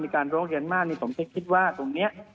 มีการโรคเรียนมากผมคิดว่าตรงนี้